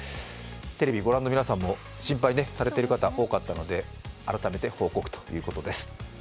テレビをご覧の皆さんも心配されている方が多かったので改めて報告ということです。